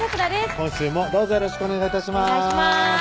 今週もどうぞよろしくお願い致します